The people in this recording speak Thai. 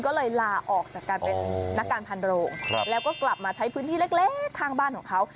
ก็เลยลาออกจากการเป็นนักการพันโรงแล้วก็กลับมาใช้พื้นที่เล็กข้างบ้านของเขา